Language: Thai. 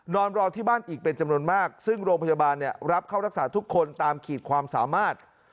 นอนรอที่บ้านอีกเป็นจำนวนมากซึ่งโรงพยาบาลรับเข้ารักษาทุกคนตามขีดความสามารถ